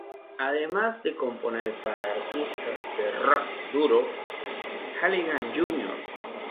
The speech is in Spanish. Además de componer para artistas de "rock" duro, Halligan Jr.